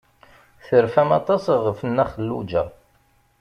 Terfam aṭas ɣef Nna Xelluǧa.